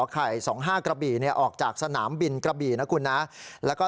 ไข่๒๕กระบี่เนี่ยออกจากสนามบินกระบี่นะคุณนะแล้วก็